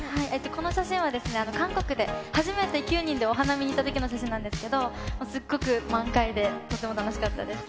この写真は、韓国で初めて９人でお花見に行ったときの写真なんですけど、すっごく満開で、とても楽しかったです。